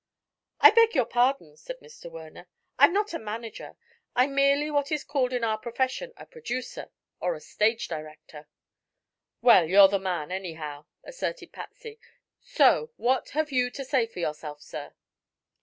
"I beg your pardon," said Mr. Werner; "I'm not a manager; I'm merely what is called in our profession a 'producer,' or a 'stage director.'" "Well, you're the man, anyhow," asserted Patsy. "So what have you to say for yourself, sir?"